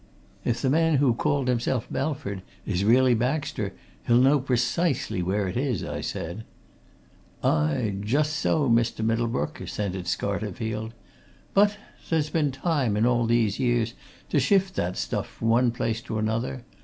"If the man who called himself Belford is really Baxter, he'll know precisely where it is," I said. "Aye, just so, Mr. Middlebrook," assented Scarterfield. "But there's been time in all these years to shift that stuff from one place to another!